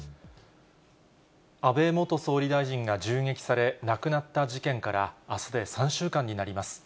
安倍元総理大臣が銃撃され、亡くなった事件からあすで３週間になります。